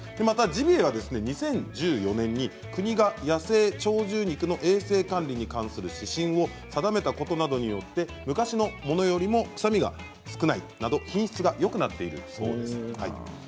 ただジビエは２０１４年に国が野生鳥獣肉の衛生管理に関する指針を定めたことなどによって昔のものよりも臭みが少ないなど品質がよくなっているそうです。